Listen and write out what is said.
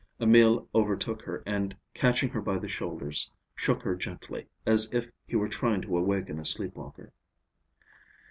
Emil overtook her and catching her by the shoulders shook her gently, as if he were trying to awaken a sleepwalker.